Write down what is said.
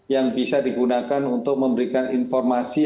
yang bisa digunakan untuk memberikan informasi